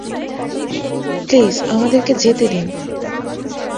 Please, আমাদেরকে যেতে দিন!